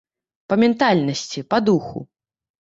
Па ментальнасці, па духу.